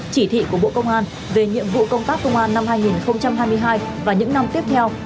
chỉ thị của bộ công an về nhiệm vụ công tác công an năm hai nghìn hai mươi hai và những năm tiếp theo